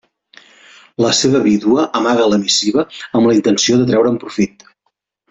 La seva vídua amaga la missiva amb la intenció de treure'n profit.